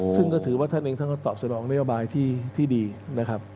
ซึ่งก็ถือว่าท่านเองท่านก็ตอบสนองนโยบายที่ดีนะครับ